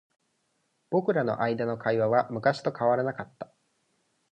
僕らの間の会話は昔と変わらなかった。